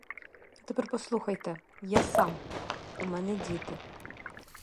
А тепер послухайте — я сам, у мене діти.